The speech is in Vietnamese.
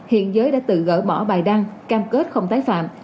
hiện giới đã tự gỡ bỏ bài đăng cam kết không tái phạm